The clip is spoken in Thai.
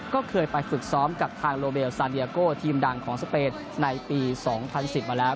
ก็เคยไปฝึกซ้อมกับทางโลเบลซาเดียโกทีมดังของสเปนในปี๒๐๑๐มาแล้ว